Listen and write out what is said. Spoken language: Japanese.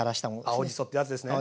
青じそってやつですね。